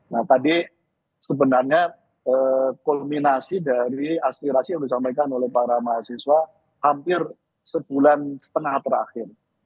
nah tadi sebenarnya kulminasi dari aspirasi yang disampaikan oleh para mahasiswa hampir sebulan setengah terakhir